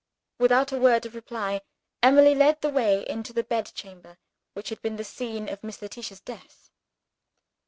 Without a word of reply, Emily led the way into the bedchamber which had been the scene of Miss Letitia's death.